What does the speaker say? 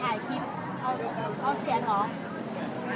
และที่อยู่ด้านหลังคุณยิ่งรักนะคะก็คือนางสาวคัตยาสวัสดีผลนะคะ